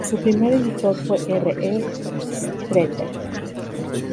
Su primer editor fue R. E. Streeter.